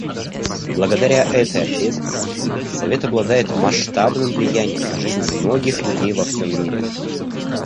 Благодаря этой ответственности Совет обладает масштабным влиянием на жизнь многих людей во всем мире.